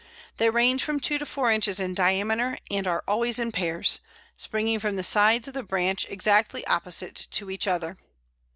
They range from two to four inches in diameter, and are always in pairs springing from the sides of the branch exactly opposite to each other.